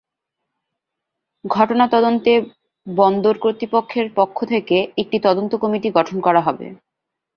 ঘটনা তদন্তে বন্দর কর্তৃপক্ষের পক্ষ থেকে একটি তদন্ত কমিটি গঠন করা হবে।